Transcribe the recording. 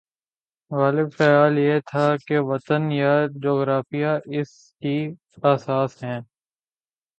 غالب خیال یہ تھا کہ وطن یا جغرافیہ اس کی اساس ہے۔